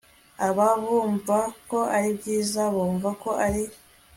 aba bumva ko ari byiza, bumva ko ari